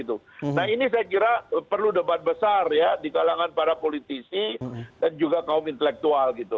nah ini saya kira perlu debat besar ya di kalangan para politisi dan juga kaum intelektual gitu